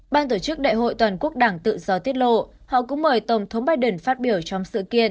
ban tổ chức đại hội toàn quốc đảng tự do tiết lộ họ cũng mời tổng thống biden phát biểu trong sự kiện